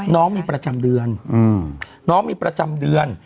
น้องมีประจำเดือนน้องมีประจำเดือน